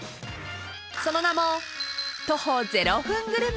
その名も徒歩０分グルメ。